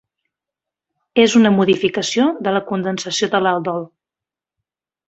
És una modificació de la condensació de l'aldol.